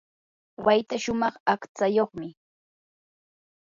wayta shumaq aqtsayuqmi.